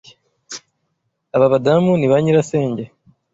Aba badamu ni ba nyirasenge.